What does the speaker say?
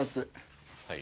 はい。